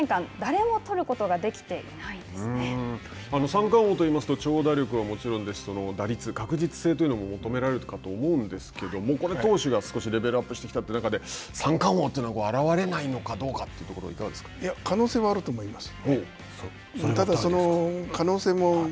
この１８年間、誰も取ることが三冠王といいますと長打力はもちろんですし打率というのも求められるかと思うんですがこれ投手が少しレベルアップしてきたという中で三冠王は現れないのかどうかというところいや、可能性はあると思います。